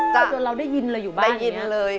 จนเราได้ยินอยู่บ้านแบบนี้นะได้ยินเลย